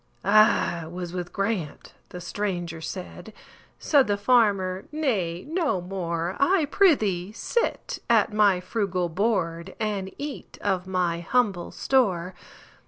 "I was with Grant"—the stranger said; Said the farmer, "Nay, no more,—I prithee sit at my frugal board, And eat of my humble store.